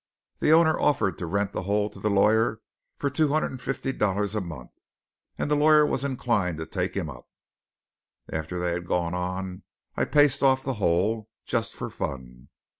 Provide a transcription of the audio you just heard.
The owner offered to rent the hole to the lawyer for two hundred and fifty dollars a month; and the lawyer was inclined to take him up. After they had gone on I paced off the hole, just for fun.